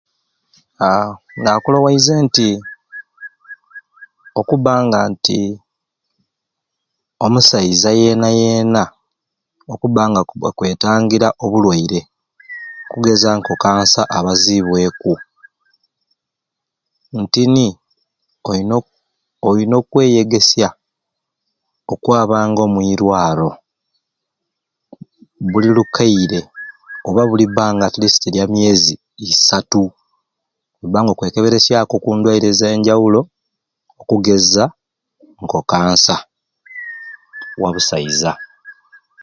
Haa nakuloweyize okuba nga nti omusaiza yena yena okuba nga akwetangira obulawire okugeza nko cancer abazibweku ntini oyina oyina okweyegesya okwabanga omwirwalo buli lukeyire oba buli imbanga lya mwezi isatu noba nga okwekeberesyaku endwaire ezanjawulo okugeza nko cancer wa busaiza haa nakuloweyize nti okubanga nti omusaiza okuba nga akwetangira obulwaire okugeza nko cancer abazibweku ntini oyina okweyegesya okwa okwabanga omwiralo buli lukeyire oba buli mbanga atleast lya mwezi isatu okubanga okwekeberesyaku endwaire ezanjawulo okugeza nko cancer wa basaiza